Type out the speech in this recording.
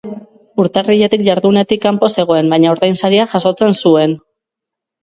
Urtarriletik jardunetik kanpo zegoen, baina ordainsaria jasotzen zuen.